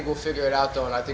saya pikir kita akan menang